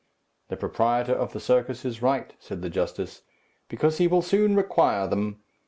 "The proprietor of the circus is right," said the justice, "because he will soon require them.